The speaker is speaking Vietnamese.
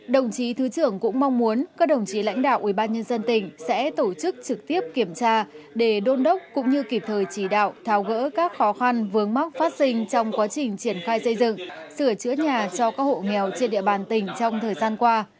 đồng chí thứ trưởng cũng mong muốn các đồng chí lãnh đạo ubnd tỉnh sẽ tổ chức trực tiếp kiểm tra để đôn đốc cũng như kịp thời chỉ đạo tháo gỡ các khó khăn vướng mắc phát sinh trong quá trình triển khai xây dựng sửa chữa nhà cho các hộ nghèo trên địa bàn tỉnh trong thời gian qua